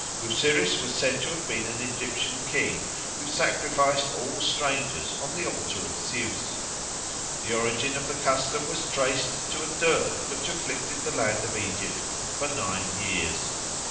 Busiris was said to have been an Egyptian king who sacrificed all strangers on the altar of Zeus. The origin of the custom was traced to a dearth which afflicted the land of Egypt for nine years.